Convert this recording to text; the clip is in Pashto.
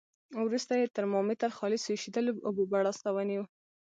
وروسته یې ترمامتر خالصو ایشېدلو اوبو بړاس ته ونیو.